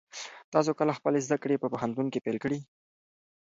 تاسو کله خپلې زده کړې په پوهنتون کې پیل کړې؟